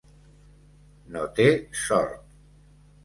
No té sort.